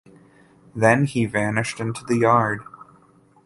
Then he vanished into the yard.